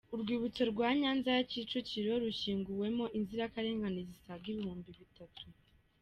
Urwibutso rwa Nyanza ya Kicukiro rushyinguwemo inzirakarengane zisaga ibihumbi bitatu.